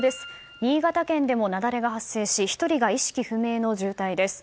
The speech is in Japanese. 新潟県でも雪崩が発生し１人が意識不明の重体です。